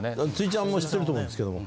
ちゃんも知ってると思うんですけども。